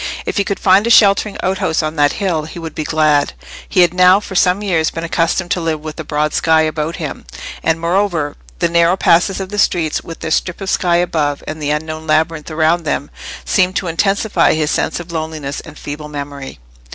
If he could find a sheltering outhouse on that hill, he would be glad: he had now for some years been accustomed to live with a broad sky about him; and, moreover, the narrow passes of the streets, with their strip of sky above, and the unknown labyrinth around them, seemed to intensify his sense of loneliness and feeble memory.